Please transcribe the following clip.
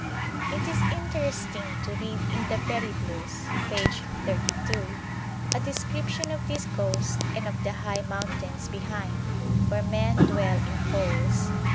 It is interesting to read in the 'Periplus' (p. 32) a description of this coast and of the high mountains behind, 'where men dwell in holes.'